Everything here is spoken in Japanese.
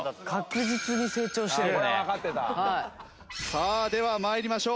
さあでは参りましょう。